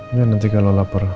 iya nanti kalau lapar